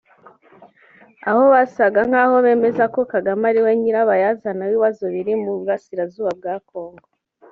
Aho basaga nk’aho bemeza ko Kagame ariwe nyirabayazana w’ibibazo biri mu burasirazuba bwa Congo